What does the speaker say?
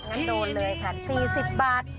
ตินโดนเลยค่ะสี่สิบบาท